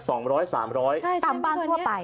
ตามบ้านทั่วไป